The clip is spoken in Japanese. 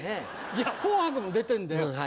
いや『紅白』も出てんで。